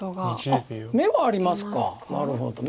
あっ眼はありますかなるほど。